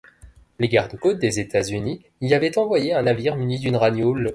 Les garde-côtes des États-Unis y avaient envoyé un navire muni d'une radio, l’.